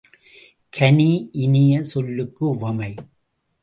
கனி, இனிய சொல்லுக்கு உவமை.